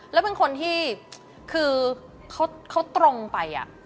แล้วเป็นคนที่คือเขาตรงไป